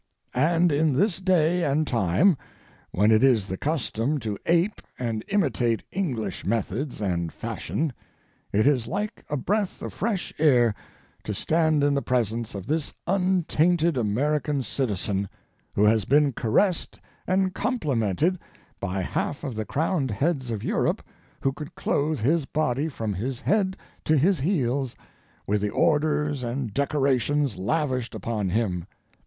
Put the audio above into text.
And in this day and time, when it is the custom to ape and imitate English methods and fashion, it is like a breath of fresh air to stand in the presence of this untainted American citizen who has been caressed and complimented by half of the crowned heads of Europe who could clothe his body from his head to his heels with the orders and decorations lavished upon him.